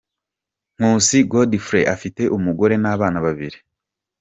Nkusi Godfrey afite umugore n’abana babiri.